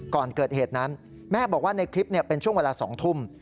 ก่อนเกิดเหตุนั้นแม่บอกว่าในคลิปเป็นช่วงเวลา๒ทุ่ม